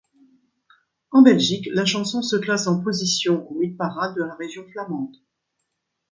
En Belgique, la chanson se classe en position au hit-parade de la Région flamande.